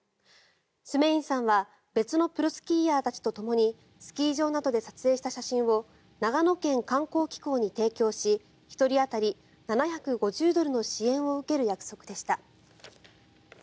スメインさんは別のプロスキーヤーたちとともにスキー場などで撮影した写真を長野県観光機構に提供し１人当たり７５０ドルの支援を受ける約束でした。